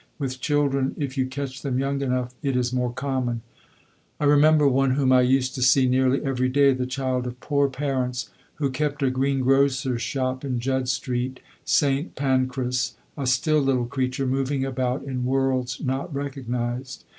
With children if you catch them young enough it is more common. I remember one whom I used to see nearly every day, the child of poor parents, who kept a green grocer's shop in Judd Street, Saint Pancras, a still little creature moving about in worlds not recognised.